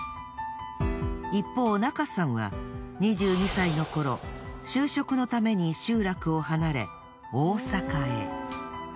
一方中さんは２２歳の頃就職のために集落を離れ大阪へ。